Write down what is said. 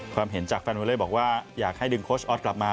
ความเห็นจากแฟนวอเล่บอกว่าอยากให้ดึงโค้ชออสกลับมา